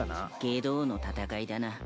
外道の闘いだな。